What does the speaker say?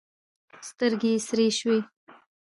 سترګې یې سرې شوې.